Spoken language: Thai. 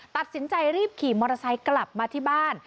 ตัดสินใจรีบขี่มอเตอร์ไซค์กลับมาที่บ้าน